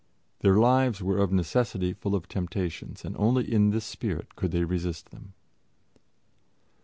Their lives were of necessity full of temptations, and only in this spirit could they resist them.